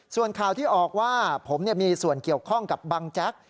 ส่วนข่าวที่ออกว่าผมมีส่วนเกี่ยวข้องกับบังแจ๊ก